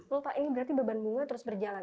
loh pak ini berarti beban bunga terus berjalan